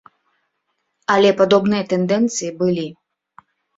Але падобныя тэндэнцыі былі.